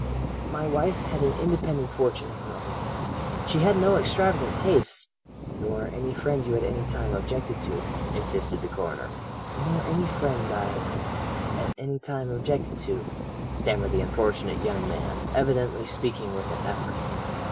My wife had an independent fortune of her own she had no extravagant tastes ' "'Nor any friend you at any time objected to?' insisted the coroner. "'Nor any friend, I at any time objected to,' stammered the unfortunate young man, evidently speaking with an effort.